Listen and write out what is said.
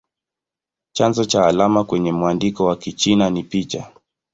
Chanzo cha alama kwenye mwandiko wa Kichina ni picha.